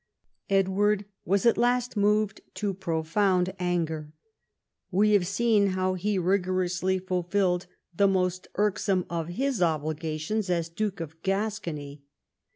Edward was at last moved to profound anger. We have seen how he rigorously fulfilled the most irksome of his obligations as Duke of Gascony.